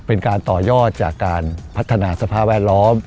เป็นการต่อยอดจากการพัฒนาสภาพแวดล้อม